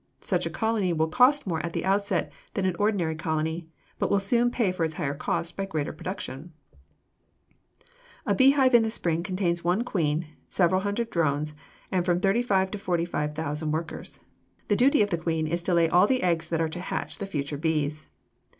Such a colony will cost more at the outset than an ordinary colony, but will soon pay for its higher cost by greater production. [Illustration: FIG. 264. A CARNIOLAN DRONE] A beehive in the spring contains one queen, several hundred drones, and from thirty five to forty thousand workers. The duty of the queen is to lay all the eggs that are to hatch the future bees.